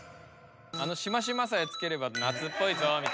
あのシマシマさえつければ夏っぽいぞみたいな。